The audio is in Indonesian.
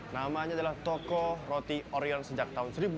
namanya adalah toko roti orion sejak tahun seribu sembilan ratus tiga puluh dua